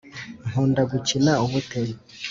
nkunda gukina ubute.